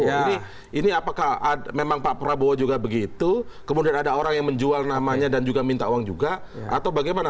ini apakah memang pak prabowo juga begitu kemudian ada orang yang menjual namanya dan juga minta uang juga atau bagaimana